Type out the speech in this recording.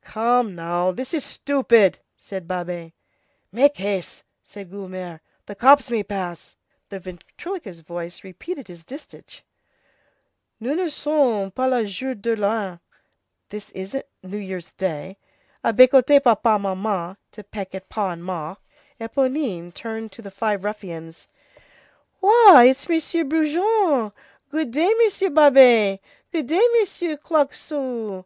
"Come, now, this is stupid!" said Babet. "Make haste!" said Guelemer, "the cops may pass." The ventriloquist's voice repeated his distich:— "Nous n' sommes pas le jour de l'an, A bécoter papa, maman." "This isn't New Year's day To peck at pa and ma." Éponine turned to the five ruffians. "Why, it's Monsieur Brujon. Good day, Monsieur Babet. Good day, Monsieur Claquesous.